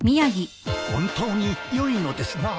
本当によいのですな？